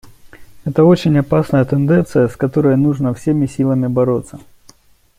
Это очень опасная тенденция, с которой нужно всеми силами бороться.